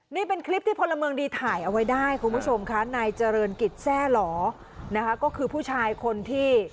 นี่เป็นคลิปที่พลเมืองดีถ่ายเอาไว้ได้คุณผู้ชมค่ะนายเจริญกิจแทร่หล่อนะคะก็คือผู้ชายคนที่